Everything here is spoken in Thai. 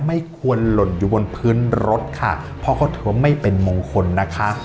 ไม่ควรหล่นอยู่บนพื้นรถค่ะเพราะเขาถือว่าไม่เป็นมงคลนะคะ